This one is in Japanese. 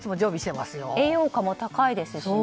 栄養価も高いですしね。